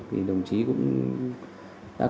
thì đồng chí cũng đã có